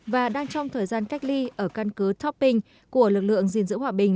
và đang trong thời gian cách ly ở căn cứ topping của lực lượng gìn giữ hòa bình